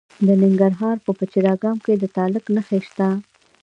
د ننګرهار په پچیر اګام کې د تالک نښې شته.